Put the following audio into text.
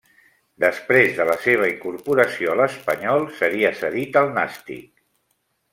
Després de la seva incorporació a l'espanyol, seria cedit al Nàstic.